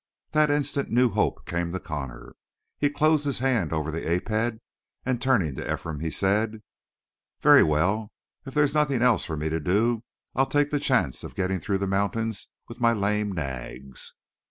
That instant new hope came to Connor; he closed his hand over the ape head, and turning to Ephraim he said: "Very well. If there's nothing else for me to do, I'll take the chance of getting through the mountains with my lame nags."